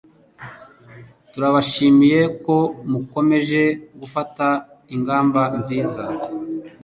Turabashimiye ko mukomeje gufata ingamba nziza